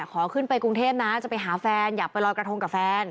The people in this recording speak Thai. ขอขึ้นไปกรุงเทพนะจะไปหาแฟนอยากไปลอยกระทงกับแฟน